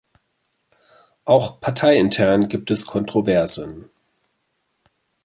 Auch parteiintern gibt es Kontroversen.